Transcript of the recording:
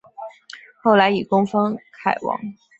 后来以功封偕王。